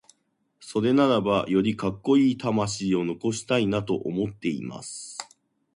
それならばよりカッコイイ魂を残したいなと思っています。